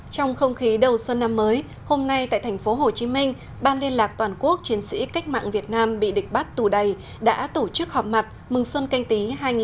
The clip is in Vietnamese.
trong không khí đầu xuân năm mới hôm nay tại thành phố hồ chí minh ban liên lạc toàn quốc chiến sĩ cách mạng việt nam bị địch bắt tù đầy đã tổ chức họp mặt mừng xuân canh tí hai nghìn hai mươi